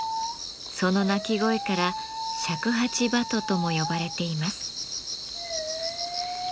その鳴き声から「尺八バト」とも呼ばれています。